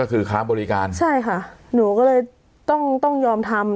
ก็คือค้าบริการใช่ค่ะหนูก็เลยต้องต้องยอมทำ